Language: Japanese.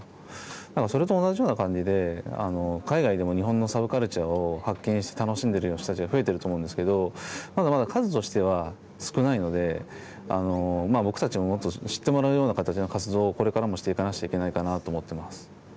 だからそれと同じような感じで海外でも日本のサブカルチャーを発見して楽しんでるような人たちが増えてると思うんですけどまだまだ数としては少ないので僕たちももっと知ってもらうような形の活動をこれからもしていかなくちゃいけないかなと思ってます。